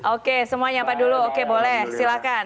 oke semua nyapa dulu oke boleh silahkan